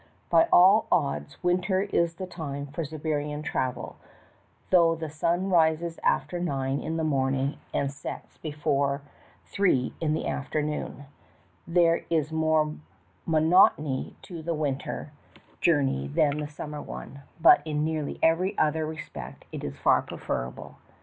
By all odds winter is the time for Siberian travel, though the sun rises after nine in the morning and sets before three in the after noon. There is more monotony to the winter STOPPED BY RUSSIAN ROBBERS. 223 journey than the summer one, but in nearly every other respect it is far preferable.